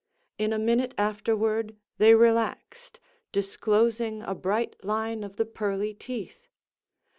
In a minute afterward they relaxed, disclosing a bright line of the pearly teeth.